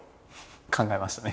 考えましたね